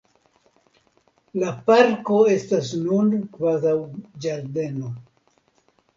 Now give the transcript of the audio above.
La parko estas nun kvazaŭ ĝardeno.